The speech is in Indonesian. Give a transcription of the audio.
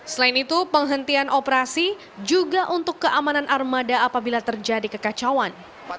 selain itu penghentian operasi juga untuk keamanan armada apabila terjadi kekacauan